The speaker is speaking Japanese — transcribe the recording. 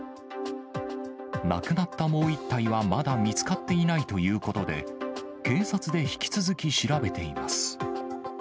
なくなったもう１体はまだ見つかっていないということで、警察で引き続き調べています。